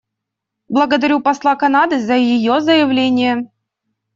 Благодарю посла Канады за ее заявление.